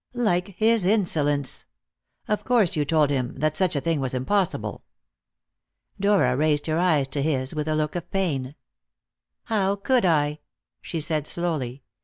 "Like his insolence! Of course you told him that such a thing was impossible!" Dora raised her eyes to his with a look of pain. "How could I?" she said slowly.